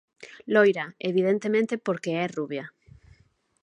Loira, evidentemente porque é rubia.